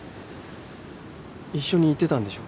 一緒に行ってたんでしょ？